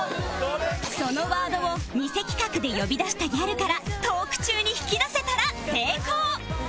そのワードを偽企画で呼び出したギャルからトーク中に引き出せたら成功